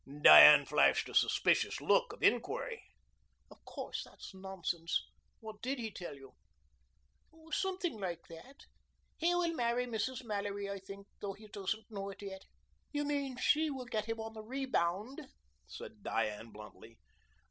Diane flashed a suspicious look of inquiry. "Of course that's nonsense. What did he tell you?" "Something like that. He will marry Mrs. Mallory, I think, though he doesn't know it yet." "You mean she will get him on the rebound," said Diane bluntly.